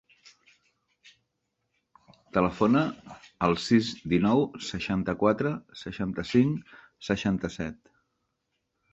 Telefona al sis, dinou, seixanta-quatre, seixanta-cinc, setanta-set.